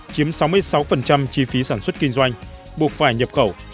chiếm sáu mươi sáu chi phí sản xuất kinh doanh buộc phải nhập khẩu